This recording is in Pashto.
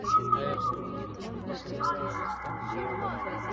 په دې خبر موږ ډېر خوشحاله سوو